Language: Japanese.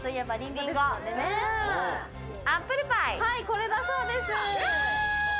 これだそうです。